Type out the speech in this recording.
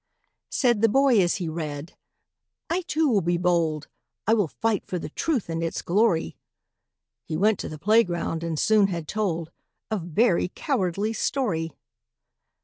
Said the boy as he read, "I too will be bold, I will fight for the truth and its glory!" He went to the playground, and soon had told A very cowardly story!